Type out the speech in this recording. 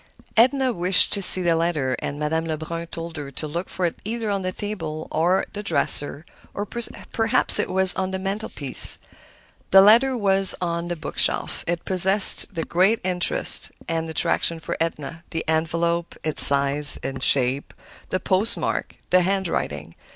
Edna wished to see the letter, and Madame Lebrun told her to look for it either on the table or the dresser, or perhaps it was on the mantelpiece. The letter was on the bookshelf. It possessed the greatest interest and attraction for Edna; the envelope, its size and shape, the post mark, the handwriting.